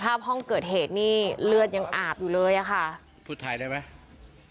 ภาพห้องเกิดเหตุนี่เลือดยังอาบอยู่เลยอ่ะค่ะพูดไทยได้ไหม